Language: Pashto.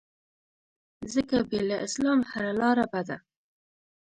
ځکه بې له اسلام هره لاره بده